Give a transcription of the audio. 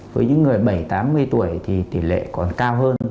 với những người bảy mươi tám mươi tuổi thì tỷ lệ còn cao hơn